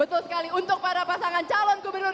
betul sekali untuk para pasangan calon gubernur